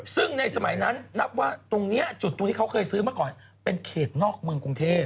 ซึ่งในสมัยนั้นนับว่าตรงนี้จุดตรงที่เขาเคยซื้อมาก่อนเป็นเขตนอกเมืองกรุงเทพ